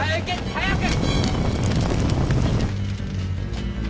早く！